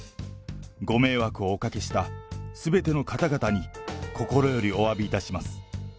ご迷惑をおかけしたすべての方々に、心よりおわびいたします。